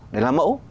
để làm mẫu